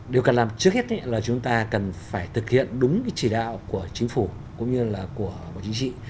điều cần làm trước hết là chúng ta cần phải thực hiện đúng cái chỉ đạo của chính phủ cũng như là của bộ chính trị